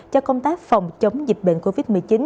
cho công tác phòng chống dịch bệnh covid một mươi chín